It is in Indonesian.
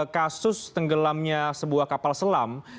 kasus tenggelamnya sebuah kapal selam